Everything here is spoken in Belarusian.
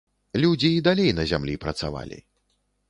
Людзі і далей на зямлі працавалі.